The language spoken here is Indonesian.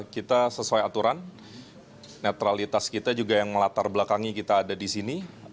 kita sesuai aturan netralitas kita juga yang melatar belakangi kita ada di sini